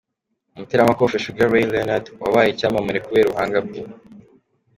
umuteramakofe Sugar Ray Leonard wabaye icyamamare kubera ubuhanga bwe.